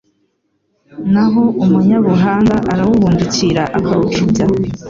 naho umunyabuhanga arawubundikira akawucubya